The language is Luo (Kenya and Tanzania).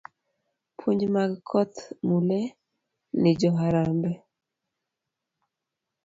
puonj mag koch Mulee ni jo Harambee.